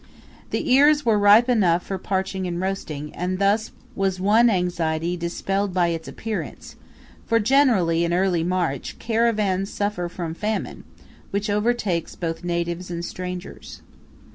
The ears were ripe enough for parching and roasting, and thus was one anxiety dispelled by its appearance; for generally, in early March, caravans suffer from famine, which overtakes both natives and strangers.